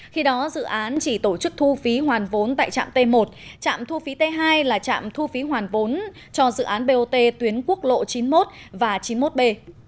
khi đó dự án chỉ tổ chức thu phí hoàn vốn tại trạm t một trạm thu phí t hai là trạm thu phí hoàn vốn cho dự án bot tuyến quốc lộ chín mươi một và chín mươi một b